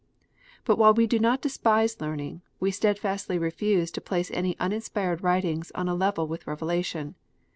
But while we do not despise learning, we steadily refuse to place any uninspired writings on a level with revelation.